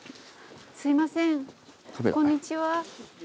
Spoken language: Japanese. すいませんこんにちは。